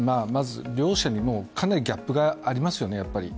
両者にかなりギャップがありますよね。